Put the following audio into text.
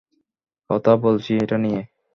কথা বলছি এটা নিয়ে।